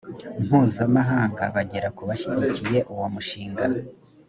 mpuzamahanga bagera ku bashyigikiye uwo mushinga